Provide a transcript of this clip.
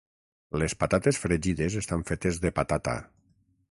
Les patates fregides estan fetes de patata.